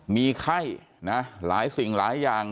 มีไข้นะหลายสิ่งหลายอย่าง